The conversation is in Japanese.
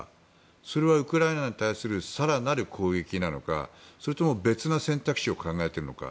それはウクライナに対する更なる攻撃なのかそれとも別の選択肢を考えているのか。